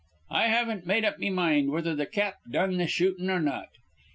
"I haven't made up me mind whether th' Cap done th' shootin' or not.